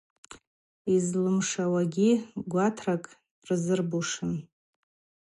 Йызлымшауагьи гватракӏ рзырбушын.